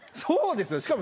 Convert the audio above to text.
そうですよ！